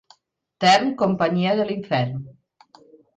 Tern, companyia de l'infern.